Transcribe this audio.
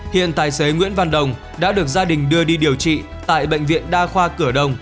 hiện tài xế nguyễn văn đồng đã được gia đình đưa đi điều trị tại bệnh viện đa khoa cửa đồng